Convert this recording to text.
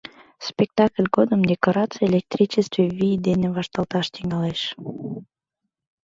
Спектакль годым декораций электричестве вий дене вашталташ тӱҥалеш.